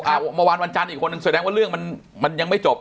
เมื่อวานวันจันทร์อีกคนนึงแสดงว่าเรื่องมันมันยังไม่จบ